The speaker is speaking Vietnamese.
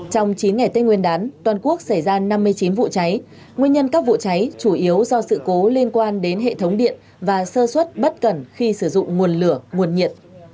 trong chín ngày tết nguyên đán toàn quốc xảy ra năm mươi chín vụ cháy nguyên nhân các vụ cháy chủ yếu do sự cố liên quan đến hệ thống điện và sơ suất bất cẩn khi sử dụng nguồn lửa nguồn nhiệt